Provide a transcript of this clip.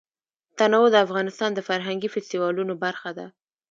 تنوع د افغانستان د فرهنګي فستیوالونو برخه ده.